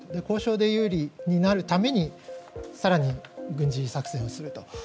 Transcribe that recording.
交渉で有利になるために更に軍事作戦をすると。